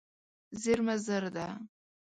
زېرمه زر ده.